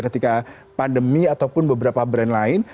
ketika pandemi ataupun beberapa brand lain